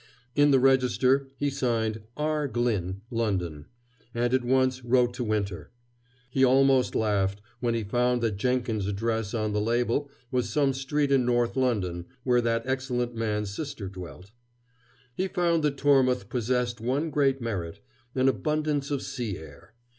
In the register he signed "R. Glyn, London," and at once wrote to Winter. He almost laughed when he found that Jenkins's address on the label was some street in North London, where that excellent man's sister dwelt. He found that Tormouth possessed one great merit an abundance of sea air.